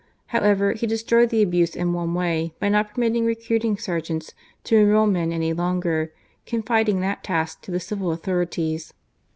However, he destroyed the abuse in one way, by not permitting recruiting sergeants to enrol men any longer, confiding that task to the civil authorities.